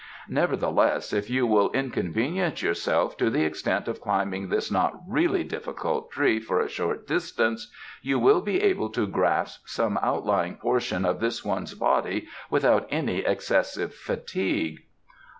Nevertheless, if you will inconvenience yourself to the extent of climbing this not really difficult tree for a short distance you will be able to grasp some outlying portion of this one's body without any excessive fatigue."